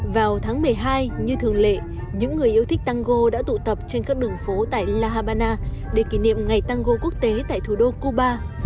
vào tháng một mươi hai như thường lệ những người yêu thích tango đã tụ tập trên các đường phố tại la habana để kỷ niệm ngày tango quốc tế tại thủ đô cuba